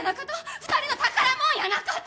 ２人の宝物やなかと？